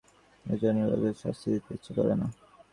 এইজন্য উদয়াদিত্যকে শাস্তি দিতে ইচ্ছা করে না।